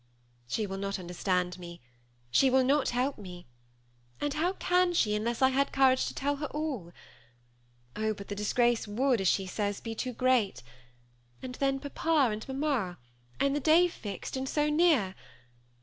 She will not understand me ; she will not help me ; and how can she unless I had courage to tell her all ? Oh ! but the disgrace would, as she says, be too great ; and then papa and mamma, and the day fixed, and so near.